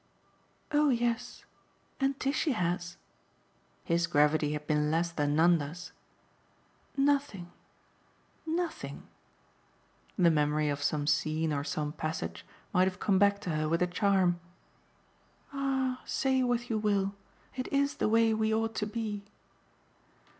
"Oh yes. And Tishy has." His gravity had been less than Nanda's. "Nothing, nothing." The memory of some scene or some passage might have come back to her with a charm. "Ah say what you will it IS the way we ought to be!"